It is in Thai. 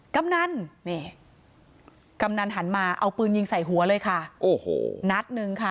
กำนันนี่กำนันหันมาเอาปืนยิงใส่หัวเลยค่ะโอ้โหนัดหนึ่งค่ะ